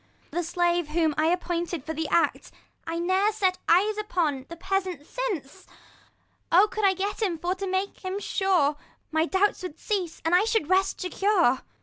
The slave whom I appointed for the act, 5 I ne'er set eye upon the peasant since : Oh, could I get him for to make him sure, My doubts would cease, and I should rest secure.